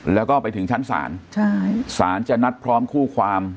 แล้วก็ไปถึงชั้นศาลศาลจะนัดพร้อมคู่ความ